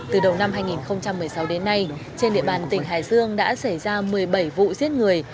từ đầu năm hai nghìn một mươi sáu đến nay trên địa bàn tỉnh hải dương đã xảy ra một mươi bảy vụ giết người